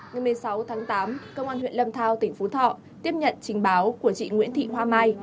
ngày một mươi sáu tháng tám công an huyện lâm thao tỉnh phú thọ tiếp nhận trình báo của chị nguyễn thị hoa mai